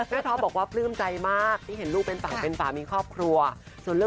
เหมือนงานเลี้ยงลุ่มของแม่